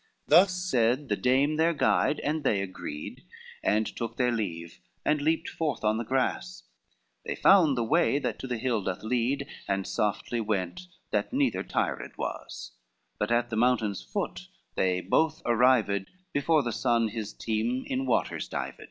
Thus said the dame their guide, and they agreed, And took their leave and leaped forth on the grass; They found the way that to the hill doth lead, And softly went that neither tired was, But at the mountain's foot they both arrived, Before the sun his team in waters dived.